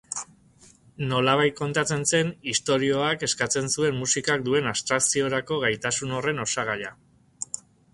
Nolabait kontatzen zen istorioak eskatzen zuen musikak duen abstrakziorako gaitasun horren osagaia.